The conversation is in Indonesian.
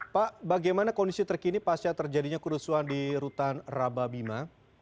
pak bagaimana kondisi terkini pasca terjadinya kerusuhan di rutan rababima